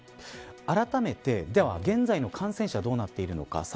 あらためて、では現在の感染者がどうなっているのか。